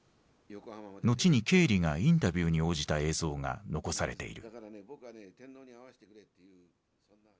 後にケーリがインタビューに応じた映像が残されている。